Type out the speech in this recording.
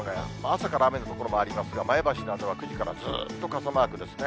朝から雨の所もありますが、前橋などは９時からずっと傘マークですね。